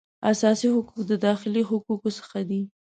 اساسي حقوق د داخلي حقوقو څخه دي